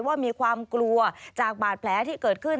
ว่ามีความกลัวจากบาดแผลที่เกิดขึ้น